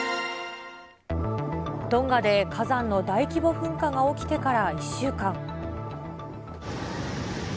トンガで火山の大規模噴火が起きてから１週間。